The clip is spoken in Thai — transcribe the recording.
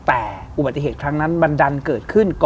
แต่อุบัติเหตุครั้งนั้นมันดันเกิดขึ้น